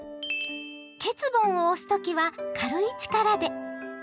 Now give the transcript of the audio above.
缺盆を押す時は軽い力で。